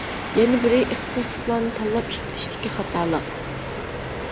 يەنە بىرى ئىختىساسلىقلارنى تاللاپ ئىشلىتىشتىكى خاتالىق.